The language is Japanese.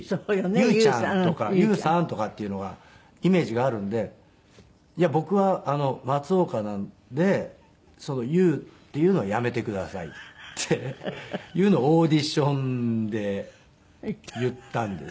「ユーちゃん」とか「ユーさん」とかっていうのがイメージがあるんで「いや僕は松岡なのでその“ユー”っていうのはやめてください」っていうのをオーディションで言ったんです。